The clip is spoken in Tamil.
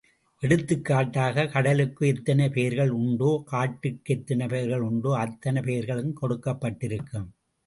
எடுத்துக்காட்டாக, கடலுக்கு எத்தனை பெயர்கள் உண்டோ காட்டிற்கு எத்தனை பெயர்கள் உண்டோ அத்தனை பெயர்களும் கொடுக்கப்பட்டிருக்கும்.